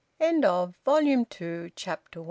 VOLUME TWO, CHAPTER TWO.